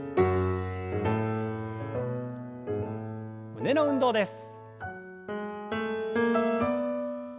胸の運動です。